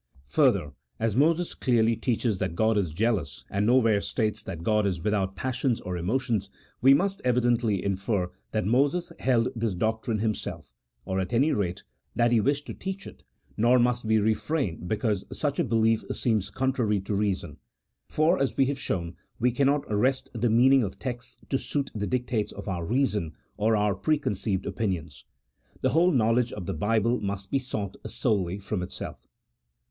Further, as Moses clearly teaches that God is jealous,. and nowhere states that God is without passions or emotions, we must evidently infer that Moses held this CHAP. VII.] OF THE INTERPRETATION OF SCRIPTURE. 103 doctrine himself , or at any rate, that he wished to teach it, nor must we refrain because such a belief seems contrary to reason: for as we have shown, we cannot wrest the meaning of texts to suit the dictates of our reason, or our preconceived opinions. The whole knowledge of the Bible must be sought solely from itself.